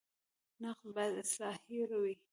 نقد باید اصلاحي وي